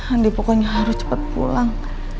handi pokoknya harus cepat pulang